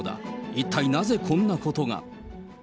一体ナゼこんなことが。